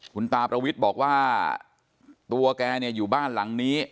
คุณตาประวิทย์บอกว่าตัวแกเนี่ยอยู่บ้านหลังนี้